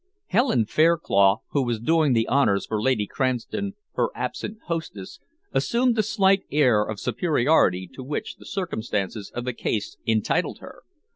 Helen Fairclough, who was doing the honours for Lady Cranston, her absent hostess, assumed the slight air of superiority to which the circumstances of the case entitled her.